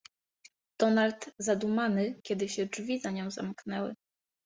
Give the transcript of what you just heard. "Donald, zadumany, kiedy się drzwi za nią zamknęły."